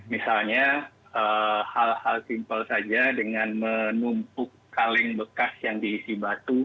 misalnya hal hal simpel saja dengan menumpuk kaleng bekas yang diisi batu